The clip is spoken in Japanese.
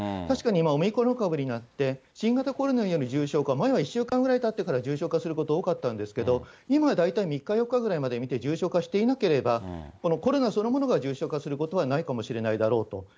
確かに今、オミクロン株になって、新型コロナによる重症化、前は１週間ぐらいたってから重症化すること多かったんですけど、今は大体３日、４日ぐらいまでみて重症化していなければこのコロナそのものが重症化することはないかもしれないだろうと。